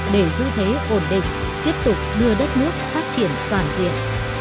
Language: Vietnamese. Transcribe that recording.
để giữ thế ổn định tiếp tục đưa đất nước phát triển toàn diện